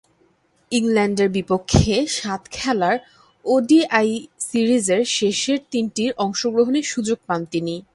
ইংল্যান্ডের বিপক্ষে সাত খেলার ওডিআই সিরিজের শেষের তিনটিতে অংশগ্রহণের সুযোগ পান তিনি।